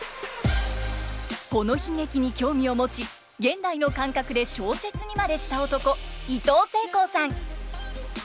この悲劇に興味を持ち現代の感覚で小説にまでした男いとうせいこうさん。